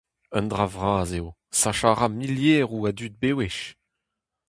Un dra vras eo, sachañ a ra milieroù a dud bewech.